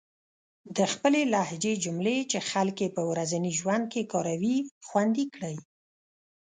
د خپلې لهجې جملې چې خلک يې په ورځني ژوند کې کاروي، خوندي کړئ.